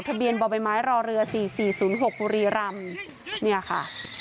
ทะเบียนบ่อยไม้รอเรือสี่สี่ศูนย์หกบุรีรัมน์เนี่ยค่ะ